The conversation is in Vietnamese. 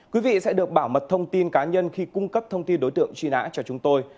quý vị sẽ được bảo mật thông tin cá nhân khi cung cấp thông tin đối tượng truy nã cho chúng tôi